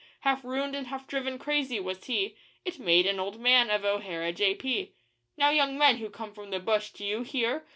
Half ruined and half driven crazy was he It made an old man of O'Hara, J.P. Now, young men who come from the bush, do you hear?